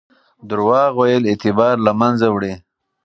درواغ ویل اعتبار له منځه وړي.